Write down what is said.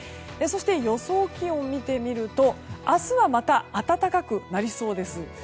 そして、予想気温を見てみると明日はまた暖かくなりそうです。